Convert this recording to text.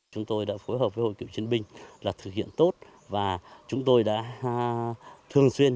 chúng tôi đã phối hợp với hội cựu chiến binh là thực hiện tốt và chúng tôi đã thường xuyên